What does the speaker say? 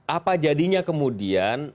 apa jadinya kemudian